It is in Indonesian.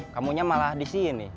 kamunya malah disini